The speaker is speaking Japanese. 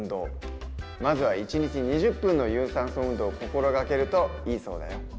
まずは１日２０分の有酸素運動を心がけるといいそうだよ。